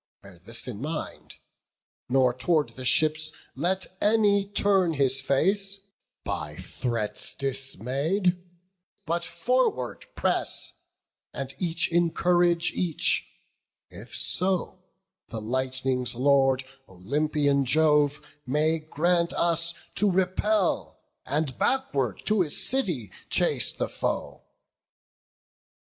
bear this in mind, Nor tow'rd the ships let any turn his face, By threats dismay'd; but forward press, and each Encourage each, if so the lightning's Lord, Olympian Jove, may grant us to repel, And backward to his city chase the foe."